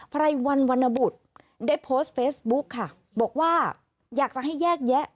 ไรวันวรรณบุตรได้โพสต์เฟซบุ๊กค่ะบอกว่าอยากจะให้แยกแยะ